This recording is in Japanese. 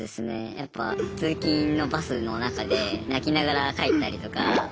やっぱ通勤のバスの中で泣きながら帰ったりとか。